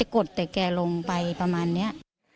กดแต่แกลงไปประมาณนี้